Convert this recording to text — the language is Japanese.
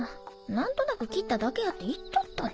何となく切っただけやって言っとったにん。